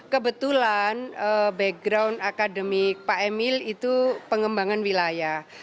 kebetulan background akademik pak emil itu pengembangan wilayah